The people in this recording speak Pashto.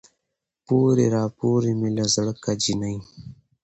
پورې راپورې مې له زړه که جينۍ